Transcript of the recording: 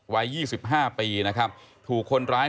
วัย๒๕ปีนะครับถูกคนร้าย